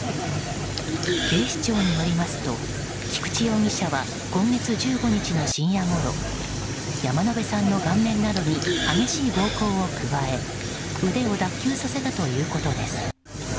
警視庁によりますと菊池容疑者は今月１５日の深夜ごろ山野辺さんの顔面などに激しい暴行を加え腕を脱臼させたということです。